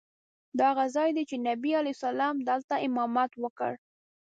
دا هغه ځای دی چې نبي علیه السلام دلته امامت وکړ.